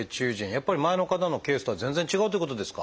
やっぱり前の方のケースとは全然違うということですか。